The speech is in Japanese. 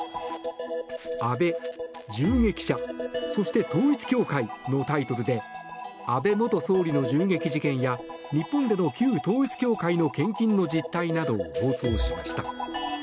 「安倍、銃撃者、そして統一教会」のタイトルで安倍元総理の銃撃事件や日本での旧統一教会の献金の実態などを放送しました。